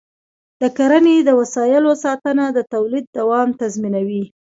د کرنې د وسایلو ساتنه د تولید دوام تضمینوي.